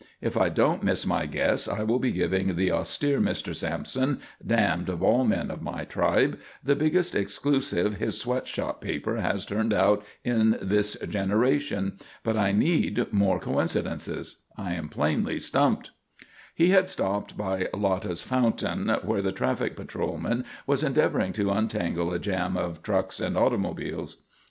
If I don't miss my guess I will be giving the austere Mr. Sampson, damned of all men of my tribe, the biggest exclusive his sweat shop paper has turned out in this generation. But I need more coincidences. I am plainly stumped." He had stopped by Lotta's Fountain where the traffic patrolman was endeavouring to untangle a jam of trucks and automobiles.